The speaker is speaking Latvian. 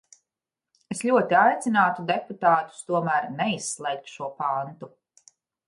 Es ļoti aicinātu deputātus tomēr neizslēgt šo pantu.